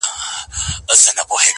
زه مي د شرف له دایرې وتلای نسمه.